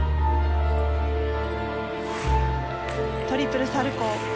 トリプルサルコウ。